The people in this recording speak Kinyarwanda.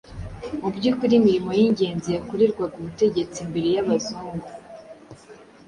Mu byukuri imirimo y'ingenzi yakorerwaga umutegetsi mbere y'Abazungu